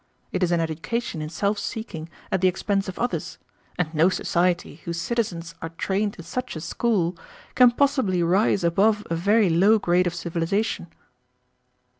It is an education in self seeking at the expense of others, and no society whose citizens are trained in such a school can possibly rise above a very low grade of civilization."